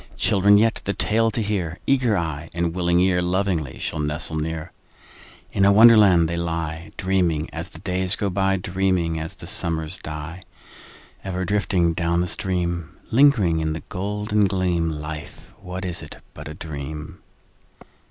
Children yet, the tale to hear, Eager eye and willing ear, Lovingly shall nestle near. In a Wonderland they lie, Dreaming as the days go by, Dreaming as the summers die: Ever drifting down the stream— Lingering in the golden gleam— Life, what is it but a dream?